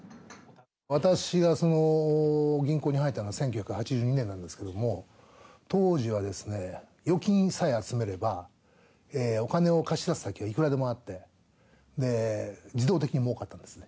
私がその銀行に入ったのは１９８２年なんですけども、当時はですね、預金さえ集めれば、お金を貸し出す先はいくらでもあって、自動的にもうかったんですね。